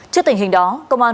trước tình hình đó công an